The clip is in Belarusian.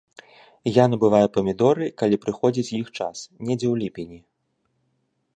Я набываю памідоры, калі прыходзіць іх час, недзе ў ліпені.